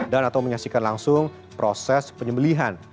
dan atau menyaksikan langsung proses penyembelian